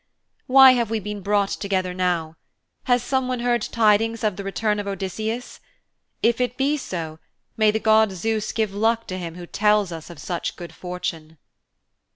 'Why have we been brought together now? Has someone heard tidings of the return of Odysseus? If it be so, may the god Zeus give luck to him who tells us of such good fortune.'